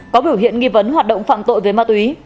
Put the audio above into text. có biểu hiện nghi vấn hoạt động phạm tội về ma túy